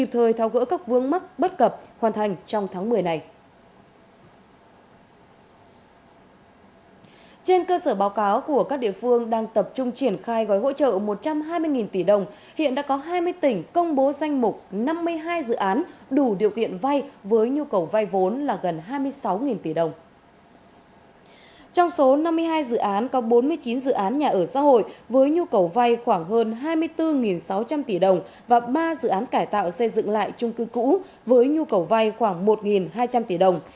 và ba dự án cải tạo xây dựng lại chung cư cũ với nhu cầu vay khoảng một hai trăm linh tỷ đồng